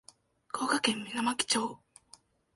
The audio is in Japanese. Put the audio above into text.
福岡県水巻町